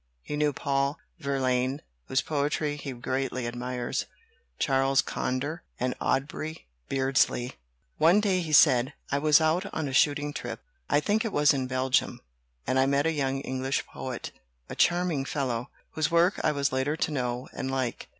He knew Paul Verlaine (whose poetry he greatly admires), Charles Conder, and Aubrey Beardsley. "One day," he said, "I was out on a shooting trip I think it was in Belgium and I met a young English poet, a charming fellow, whose work I was later to know and like.